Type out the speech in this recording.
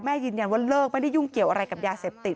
ยืนยันว่าเลิกไม่ได้ยุ่งเกี่ยวอะไรกับยาเสพติด